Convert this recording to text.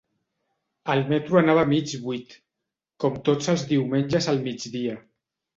El metro anava mig buit, com tots els diumenges al migdia.